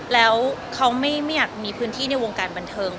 แล้วเขาไม่อยากมีพื้นที่ในวงการบันเทิง